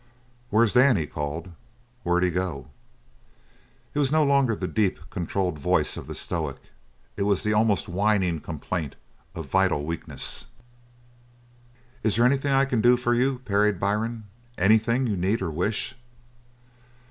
"Where's Dan?" he called. "Where'd he go?" It was no longer the deep, controlled voice of the stoic; it was the almost whining complaint of vital weakness. "Is there anything I can do for you?" parried Byrne. "Anything you need or wish?"